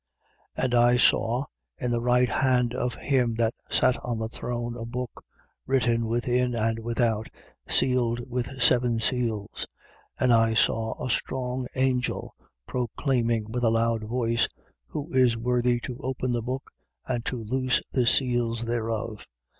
5:1. And I saw, in the right hand of him that sat on the throne, a book, written within and without, sealed with seven seals. 5:2. And I saw a strong angel, proclaiming with a loud voice: Who is worthy to open the book and to loose the seals thereof?